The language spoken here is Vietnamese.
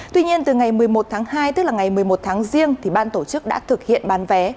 tuy nhiên từ ngày một mươi một tháng hai tức là ngày một mươi một tháng riêng ban tổ chức đã thực hiện bán vé